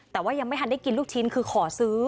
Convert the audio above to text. แต่ว่ายังไม่ทันได้กินลูกชิ้นคือขอซื้อ